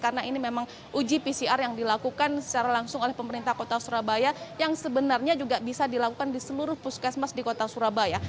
karena ini memang uji pcr yang dilakukan secara langsung oleh pemerintah kota surabaya yang sebenarnya juga bisa dilakukan di seluruh puskesmas di kota surabaya